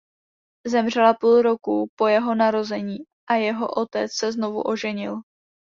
Zemřela půl roku po jeho narození a jeho otec se znovu oženil.